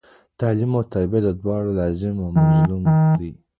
تعلم او تربیه دواړه لاظم او ملظوم دي.